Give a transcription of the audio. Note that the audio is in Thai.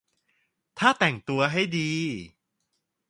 ถ้าแต่งตัวให้ดี